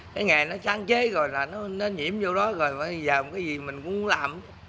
cái nghề nó sáng chế rồi nó nhiễm vô đó rồi bây giờ cái gì mình cũng muốn làm